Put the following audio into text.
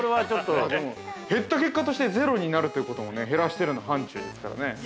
◆減った結果として、ゼロになるということも、減らしてるの範疇ですからね。